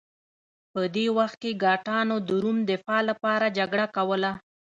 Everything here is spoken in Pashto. په دې وخت کې ګاټانو د روم دفاع لپاره جګړه کوله